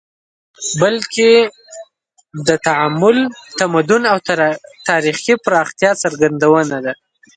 بلکې د تعامل، تمدن او تاریخي پراختیا څرګندونه ده